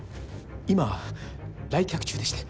今来客中でして。